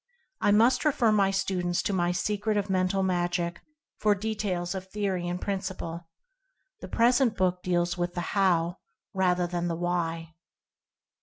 I must refer my students to my "Secret of Mental Magic" for de tails of theory and principle. The present book deals with the "HOW?" rather than the "Why?"